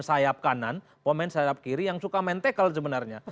sayap kanan pemain sayap kiri yang suka main takel sebenarnya